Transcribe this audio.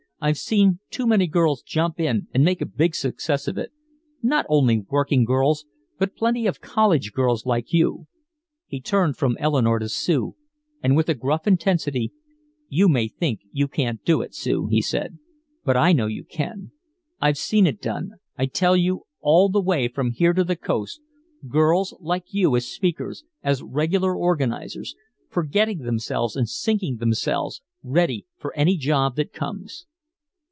"I've seen too many girls jump in and make a big success of it. Not only working girls, but plenty of college girls like you." He turned from Eleanore to Sue and with a gruff intensity, "You may think you can't do it, Sue," he said. "But I know you can. I've seen it done, I tell you, all the way from here to the Coast girls like you as speakers, as regular organizers forgetting themselves and sinking themselves ready for any job that comes."